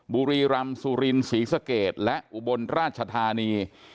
บุรีรำสุรินศรีสะเกดและอุบลราชธานี